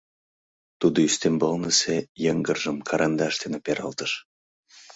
Тудо ӱстембалнысе йыҥгыржым карандаш дене пералтыш.